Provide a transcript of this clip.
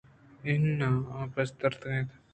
اِنا ں آوَپیسریگیں اَنت